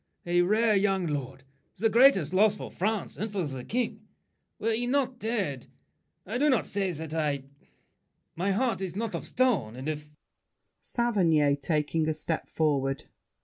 A rare young lord; The greatest loss for France and for the King. Were he not dead, I do not say that I— My heart is not of stone, and if— SAVERNY (taking a step forward).